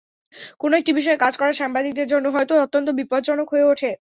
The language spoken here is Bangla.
কোনো একটি বিষয়ে কাজ করা সাংবাদিকদের জন্য হয়তো অত্যন্ত বিপজ্জনক হয়ে ওঠে।